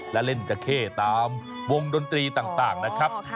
และเล่นจักเข้ตามวงดนตรีต่างนะครับ